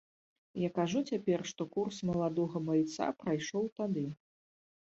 Я кажу цяпер, што курс маладога байца прайшоў тады.